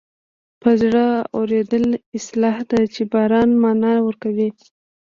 په زړه اورېدل اصطلاح ده چې د باران مانا ورکوي